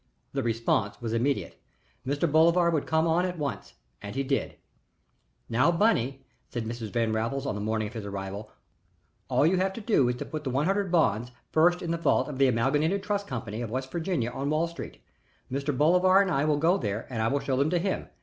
The response was immediate. Mr. Bolivar would come on at once, and he did. [Illustration: "'AFTER WHICH HE WILL COME TO NEWPORT'"] "Now, Bunny," said Mrs. Van Raffles on the morning of his arrival, "all you have to do is to put the one hundred bonds first in the vault of the Amalgamated Trust Company, of West Virginia, on Wall Street. Mr. Bolivar and I will go there and I will show them to him.